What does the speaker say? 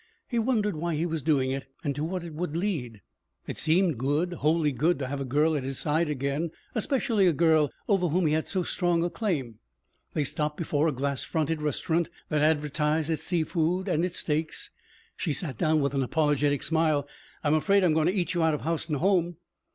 He wondered why he was doing it and to what it would lead. It seemed good, wholly good, to have a girl at his side again, especially a girl over whom he had so strong a claim. They stopped before a glass fronted restaurant that advertised its sea food and its steaks. She sat down with an apologetic smile. "I'm afraid I'm goin' to eat you out of house and home."